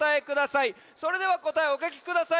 それではこたえをおかきください。